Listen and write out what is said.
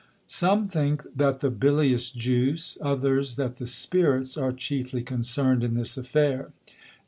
Some think that the Bilious Juice; others, that the Spirits are chiefly concern'd in this Affair.